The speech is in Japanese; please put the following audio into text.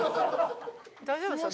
大丈夫ですか？